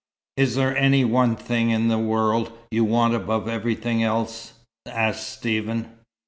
"Is there any one thing in this world you want above everything else?" asked Stephen.